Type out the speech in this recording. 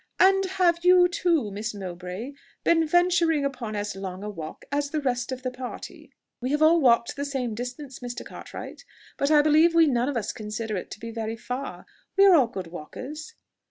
"And have you, too, Miss Mowbray, been venturing upon as long a walk as the rest of the party?" "We have all walked the same distance, Mr. Cartwright; but I believe we none of us consider it to be very far. We are all good walkers."